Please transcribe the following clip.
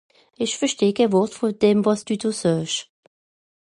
Ìch versteh kenn Wort vùn dem, wàs dü do saasch.